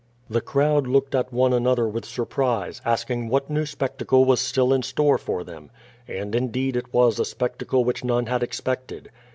The crowd looked at one another with surprise, asking what new spectacle was still in store for them. And indeed it was a spectacle which none had expected.